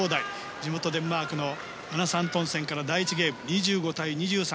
地元デンマークのアナス・アントンセンから第１ゲーム２５対２３。